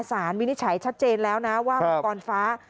วินิจฉัยชัดเจนแล้วนะว่าองค์กรฟ้า